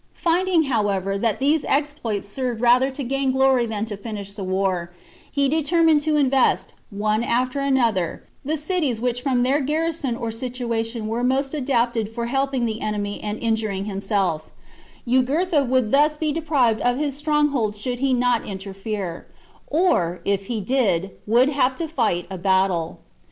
Finding, however, that these exploits served rather to gain glory than to finish the war, he determined to invest, one after another, the cities which from their garrison or situation were most adapted for helping the enemy and injuring himself; Jugurtha would thus be deprived of his strongholds should he not interfere, or, if he did, would have to fight a battle.